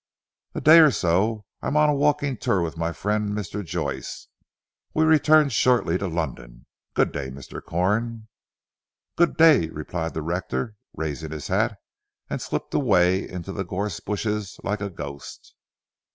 "A day or so. I am on a walking tour with my friend Mr. Joyce. We return shortly to London. Good day Mr. Corn." "Good day," replied the rector raising his hat, and slipped away into the gorse bushes like a ghost.